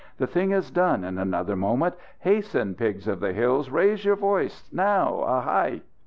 "The thing is done in another moment. Hasten, pigs of the hills! Raise your voice! Now! _Aihai!